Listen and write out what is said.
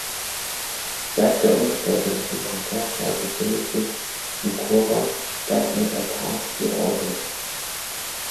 Seit der Umgestaltung zum Konzertsaal befindet sich im Chorraum statt eines Altars die Orgel.